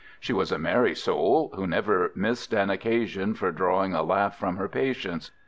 She was a merry soul, who never missed an occasion for drawing a laugh from her patients.